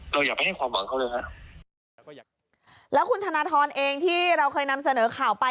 อย่าไปให้ความหวังเขาเลยฮะแล้วคุณธนทรเองที่เราเคยนำเสนอข่าวไป